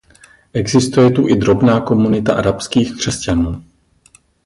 Existuje tu i drobná komunita arabských křesťanů.